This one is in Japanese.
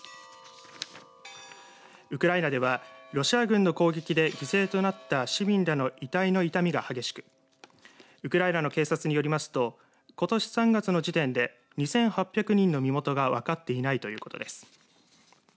ウクライナではロシア軍の攻撃で犠牲となった市民らの遺体の傷みが激しくウクライナの警察によりますとことし３月の時点で２８００人の身元が分っていないということです。